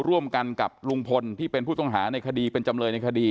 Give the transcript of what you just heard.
ร่วมกันกับลุงพลที่เป็นผู้ต้องหาในคดีเป็นจำเลยในคดี